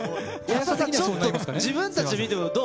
ちょっと自分たちで見てもどう？